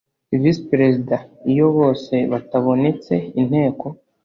visi perezida iyo bose batabonetse inteko